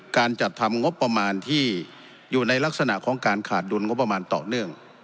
การจัดทำงบประมาณที่อยู่ในลักษณะของการขาดดุลงบประมาณต่อเนื่อง